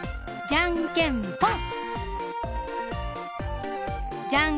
じゃんけんぽん！